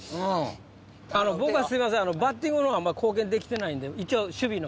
僕すいませんバッティングの方あんま貢献できてないんで。